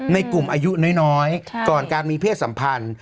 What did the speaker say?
ในกลุ่มอายุน้อยก่อนการมีเพศสัมพันธ์